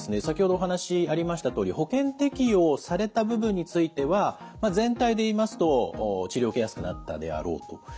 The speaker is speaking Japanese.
先ほどお話ありましたとおり保険適用された部分については全体で言いますと治療受けやすくなったであろうと。